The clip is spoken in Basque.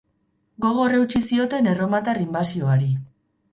Gogor eutsi zioten erromatar inbasioari.